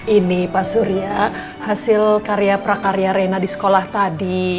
ini pak surya hasil karya prakarya rena di sekolah tadi